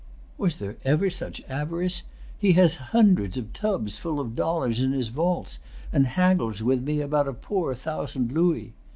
"Was there ever such avarice? He has hundreds of tubs full of dollars in his vaults, and haggles with me about a poor thousand louis."